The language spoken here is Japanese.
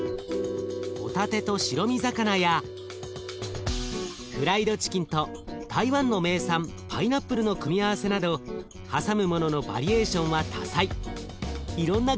ホタテと白身魚やフライドチキンと台湾の名産パイナップルの組み合わせなど挟むもののバリエーションは多彩。